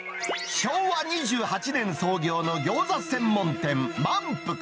昭和２８年創業の餃子専門店、満腹。